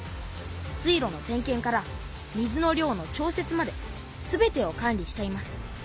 水路の点けんから水の量の調節まで全てを管理しています。